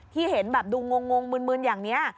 เห็นแบบดูงงมืนอย่างนี้